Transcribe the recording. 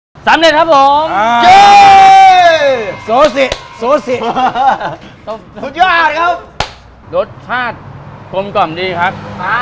รสชาติกลมกล้ำดีครับ